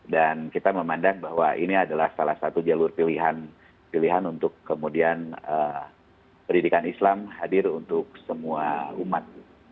dan kita memandang bahwa ini adalah salah satu jalur pilihan untuk kemudian pendidikan islam hadir untuk semua umat